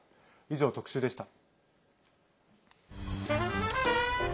以上、特集でした。